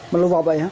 meluap pak ya